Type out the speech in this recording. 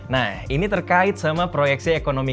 nah ini terkait sama proyeksi ekonomi